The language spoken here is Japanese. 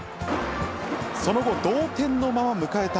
その後、同点のまま迎えた